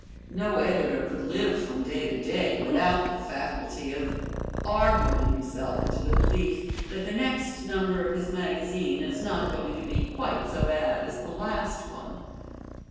No editor could live from day to day without the faculty or arguing himself into the belief that the next number of his magazine is not going to be quite so bad as the last one.